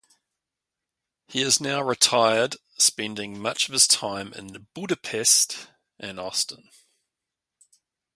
He is now retired spending much of his time in Budapest and Austin.